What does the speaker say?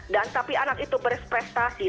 dan tapi anak itu berprestasi